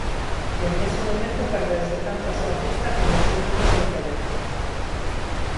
Dende ese momento perdeuse tanto a súa pista como o sinal do seu teléfono.